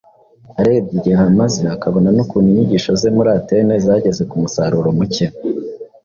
Arebye igihe ahamaze akabona n’ukuntu inyigisho ze muri Atene zageze ku musaruro muke,